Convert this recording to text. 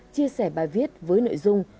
chia sẻ bài viết với nội dung